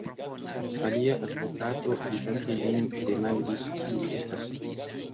Alia advokato, vidante lin, demandis, kiu li estas.